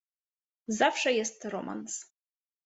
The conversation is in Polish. "Zawsze jest romans."